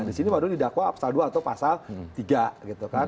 di sini baru didakwa pasal dua atau pasal tiga gitu kan